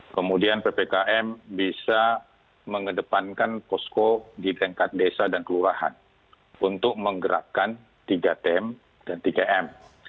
kemudian ppkm bisa mengedepankan posko di tingkat desa dan kelurahan untuk menggerakkan tiga tm dan tiga m